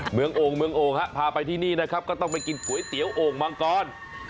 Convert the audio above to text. โอ่งเมืองโอ่งฮะพาไปที่นี่นะครับก็ต้องไปกินก๋วยเตี๋ยวโอ่งมังกร